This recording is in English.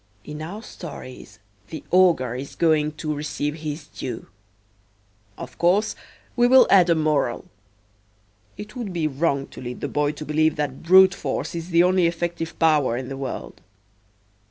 In our stories the ogre is going to receive his due. Of course, we will add a moral. It would be wrong to lead the boy to believe that brute force is the only effective power in the world.